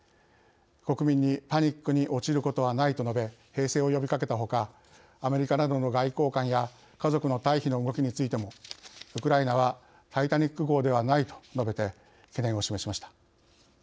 国民に「パニックに陥ることはない」と述べ平静を呼びかけたほかアメリカなどの外交官や家族の退避の動きについても「ウクライナはタイタニック号ではない」と述べて懸念を示しました。